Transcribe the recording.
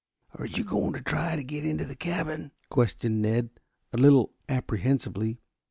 "Are you going to try to get into the cabin?" questioned Ned a little apprehensively.